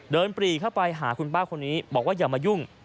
ปรีเข้าไปหาคุณป้าคนนี้บอกว่าอย่ามายุ่ง